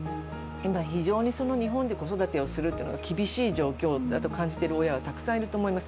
今非常に日本で子育てをするというのが厳しい状況だと感じている親がたくさんいると思います。